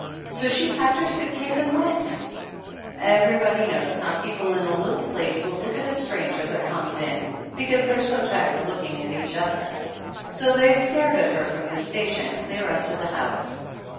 So she packed her suit case and went. Everybody knows how the people in a little place will look at a stranger that comes in, be cause they're so tired of looking at each other. So they stared at her from the station clear up to the house.